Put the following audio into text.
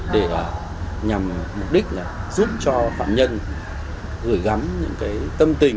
để nhằm mục đích giúp cho phạm nhân gửi gắm những tâm tình